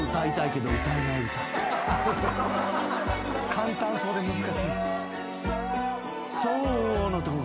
簡単そうで難しい。